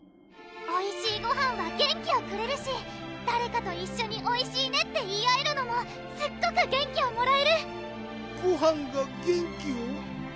おいしいごはんは元気をくれるし誰かと一緒においしいねって言い合えるのもすっごく元気をもらえるごはんが元気を？